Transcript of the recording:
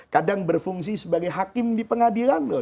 kadang berfungsi sebagai hakim di pengadilan loh